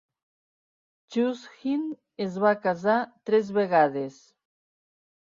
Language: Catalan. Chushing es va casar tres vegades.